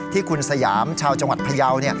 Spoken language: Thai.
ที่คุณสยามชาวจังหวัดพยาว